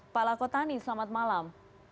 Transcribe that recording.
pak lakotani selamat malam